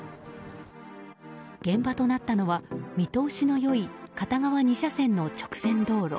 現場となったのは見通しの良い片側２車線の直線道路。